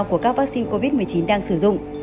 của các vaccine covid một mươi chín đang sử dụng